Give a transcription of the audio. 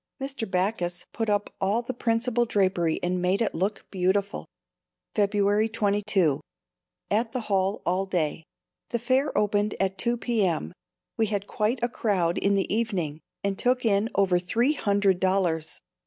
Mr. Backus put up all the principal drapery and made it look beautiful. February 22. At the hall all day. The fair opened at 2 p.m. We had quite a crowd in the evening and took in over three hundred dollars.